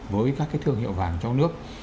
với các cái thương hiệu vàng trong nước